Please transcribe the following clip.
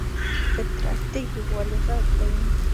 فطرت د یووالي غږ دی.